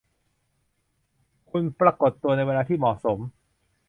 คุณปรากฏตัวในเวลาที่เหมาะสม